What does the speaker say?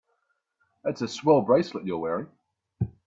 That's a swell bracelet you're wearing.